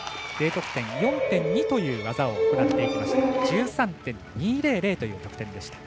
Ｄ得点４．２という技を行ってきました。１３．２００という得点でした。